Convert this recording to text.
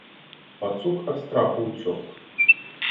Пацук ад страху ўцёк.